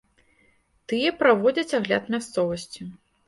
Тыя праводзяць агляд мясцовасці.